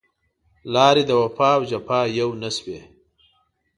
لارې د وفا او جفا يو نه شوې